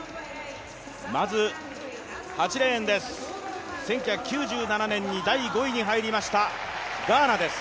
まず、８レーン、１９９７年に第５位に入りましたガーナです。